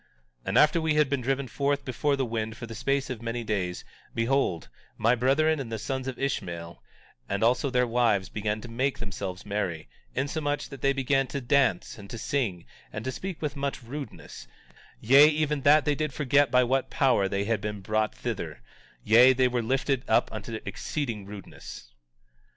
18:9 And after we had been driven forth before the wind for the space of many days, behold, my brethren and the sons of Ishmael and also their wives began to make themselves merry, insomuch that they began to dance, and to sing, and to speak with much rudeness, yea, even that they did forget by what power they had been brought thither; yea, they were lifted up unto exceeding rudeness.